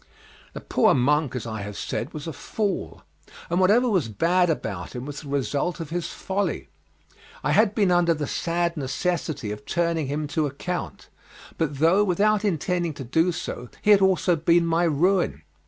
The poor monk, as I have said, was a fool, and whatever was bad about him was the result of his folly. I had been under the sad necessity of turning him to account, but though without intending to do so he had almost been my ruin.